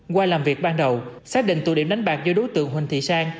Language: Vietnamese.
qua làm việc ban đầu xác định tụ điểm đánh bạc do đối tượng huỳnh thị sang